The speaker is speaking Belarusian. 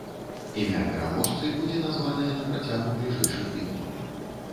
Імя пераможцы будзе названае на працягу бліжэйшых тыдняў.